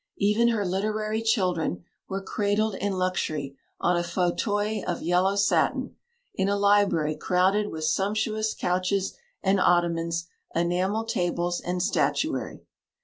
Even her literary children were cradled in luxury on a fauteuil of yellow satin, in a library crowded with sumptuous couches and ottomans, enamel tables and statutary.